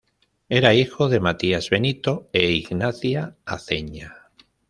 Era hijo de Matías Benito e Ignacia Aceña.